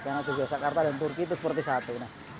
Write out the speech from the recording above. karena yogyakarta dan turki itu seperti satu